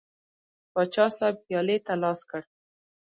پاچا صاحب پیالې ته لاس کړ.